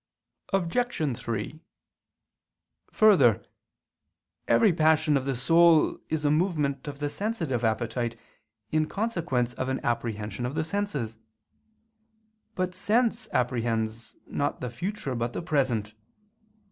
Obj. 3: Further, every passion of the soul is a movement of the sensitive appetite, in consequence of an apprehension of the senses. But sense apprehends, not the future but the present.